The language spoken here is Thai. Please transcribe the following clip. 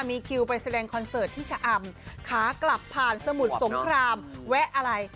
มีคิวไปแสดงคอนเสิร์ตที่ชะอำขากลับผ่านสมุทรสงครามแวะอะไร